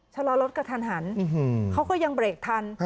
ชะลอรถกระทันหันเขาก็ยังเบรกทัน